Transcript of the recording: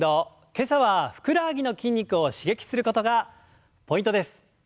今朝はふくらはぎの筋肉を刺激することがポイントです。